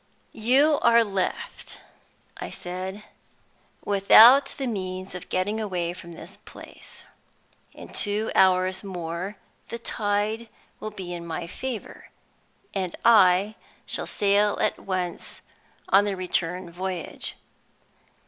"You are left," I said, "without the means of getting away from this place. In two hours more the tide will be in my favor, and I shall sail at once on the return voyage.